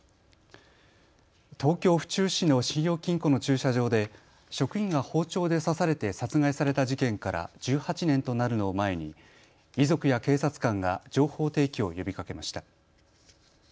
東京府中市の信用金庫の駐車場で職員が包丁で刺されて殺害された事件から１８年となるのを前に遺族や警察官が情報提供を呼びかけました。